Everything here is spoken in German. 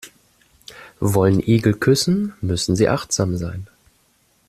Wollen Igel küssen, müssen sie achtsam sein.